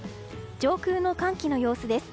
上空の寒気の様子です。